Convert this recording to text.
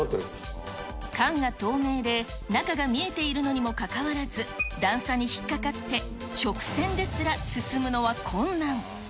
管が透明で、中が見えているのにもかかわらず、段差に引っ掛かって直線ですら進むのは困難。